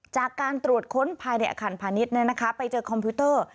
จากการตรวจค้นภายในอาคารพาณิชย์ไปเจอคอมพิวเตอร์